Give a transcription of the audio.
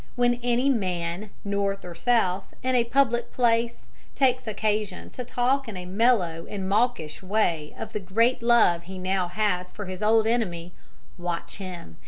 When any man, North or South, in a public place takes occasion to talk in a mellow and mawkish way of the great love he now has for his old enemy, watch him.